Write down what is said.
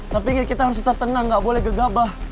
tapi kita harus tetap tenang gak boleh gegabah